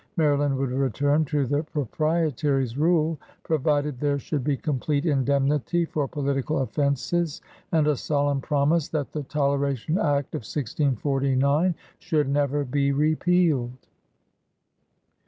Maryland would return to the Proprietary's rule, provided there should be complete indemnity for political offenses and a solemn promise that the Toleration Act of 1640 should never be repealed.